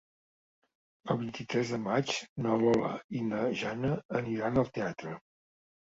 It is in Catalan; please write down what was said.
El vint-i-tres de maig na Lola i na Jana aniran al teatre.